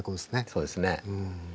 そうですね。